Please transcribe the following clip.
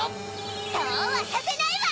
そうはさせないわ！